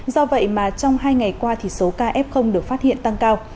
do vậy mà trong hai ngày qua thì số kf được phát hiện tăng cao